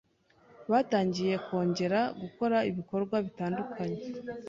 batangiye kongera gukora ibikorwa bitandukanye,